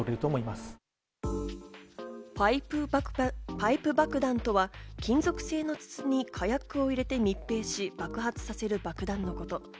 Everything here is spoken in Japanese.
パイプ爆弾とは、金属製の筒に火薬を入れて密閉し、爆発させる爆弾のこと。